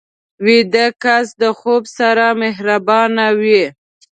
ویده کس د خوب سره مهربان وي